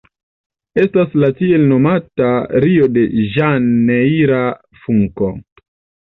Estas la tiel nomata Rio-de-Ĵanejra Funko.